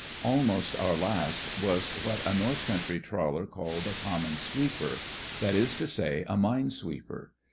Almost our last was what a North Country trawler called a "common sweeper," that is to say, a mine sweeper.